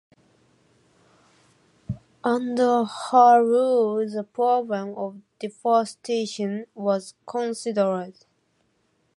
Under her rule the problem of deforestation was considered.